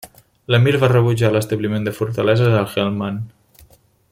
L'emir va rebutjar l'establiment de fortaleses al Helmand.